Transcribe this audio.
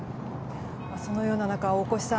そのような中、大越さん